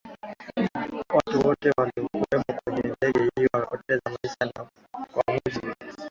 watu wote waliokuwemo kwenye ndege hiyo wamepoteza maisha na kwa mujibu